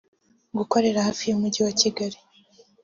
gukorera hafi y’umujyi wa Kigali